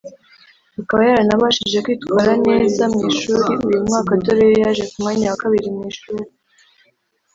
Akaba yaranabashije kwitwara neza mu ishuri uyu mwaka dore yo yaje ku mwanya wa kabiri mu ishuri